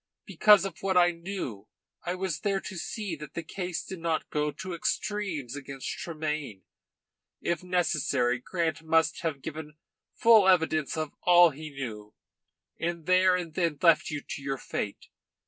Because of what I knew I was there to see that the case did not go to extremes against Tremayne. If necessary Grant must have given full evidence of all he knew, and there and then left you to your fate.